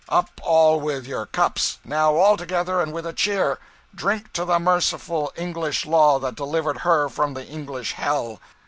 up, all, with your cups! now all together and with a cheer! drink to the merciful English law that delivered her from the English hell!